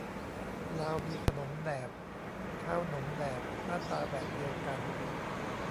ลาวมี ขนมแหนบ ข้าวหนมแหนบ หน้าตาแบบเดียวกัน